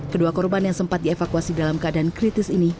kedua korban yang sempat dievakuasi dalam keadaan kritis ini